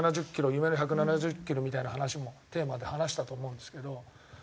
夢の１７０キロみたいな話もテーマで話したと思うんですけど。